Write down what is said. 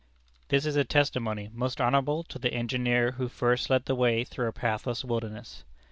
This is a testimony most honorable to the engineer who first led the way through a pathless wilderness.